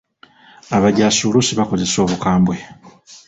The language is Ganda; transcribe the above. Abajjaasi oluusi bakozesa obukambwe.